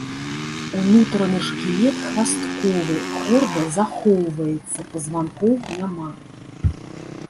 Унутраны шкілет храстковы, хорда захоўваецца, пазванкоў няма.